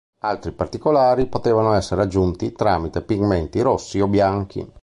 Altri particolari potevano essere aggiunti tramite pigmenti rossi o bianchi.